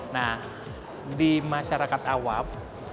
nah di masyarakat awam